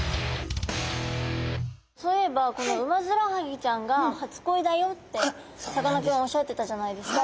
そういえばこのウマヅラハギちゃんが初恋だよってさかなクンおっしゃってたじゃないですか。